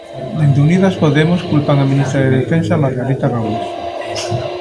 Dende Unidas Podemos culpan a ministra de Defensa, Margarita Robles.